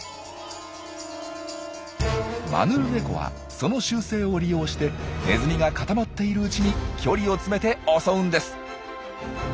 マヌルネコはその習性を利用してネズミが固まっているうちに距離を詰めて襲うんです。